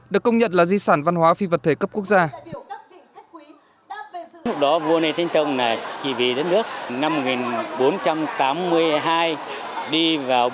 được công nhận là di sản văn hóa phi vật thể cấp quốc gia